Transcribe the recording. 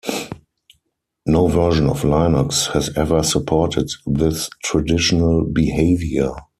No version of Linux has ever supported this traditional behavior.